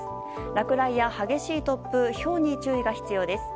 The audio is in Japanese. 落雷や激しい突風ひょうに注意が必要です。